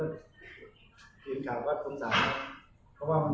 นี่แมนบ้างใครดูอันตราย